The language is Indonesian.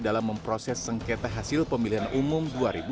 dalam memproses sengketa hasil pemilihan umum dua ribu sembilan belas